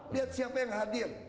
lihat siapa yang hadir